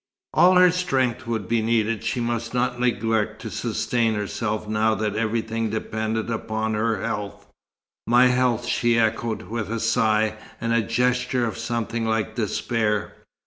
All her strength would be needed. She must not neglect to sustain herself now that everything depended upon her health. "My health!" she echoed, with a sigh, and a gesture of something like despair.